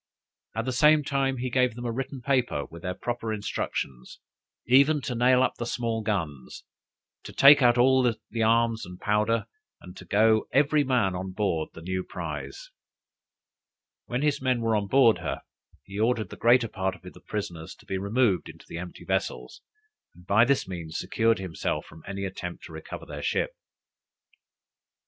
At the same time, he gave them a written paper with their proper instructions, even to nail up the small guns, to take out all the arms and powder, and to go every man on board the new prize. When his men were on board her, he ordered the greater part of the prisoners to be removed into the empty vessels, and by this means secured himself from any attempt to recover their ship.